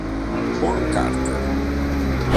Paul Carter